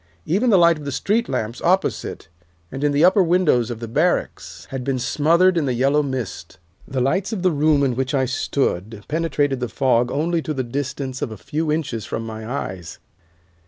Even the light of the street lamps opposite, and in the upper windows of the barracks, had been smothered in the yellow mist. The lights of the room in which I stood penetrated the fog only to the distance of a few inches from my eyes.